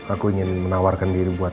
aku ingin menawarkan diri buat